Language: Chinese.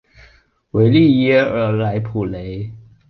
维利耶尔莱普雷。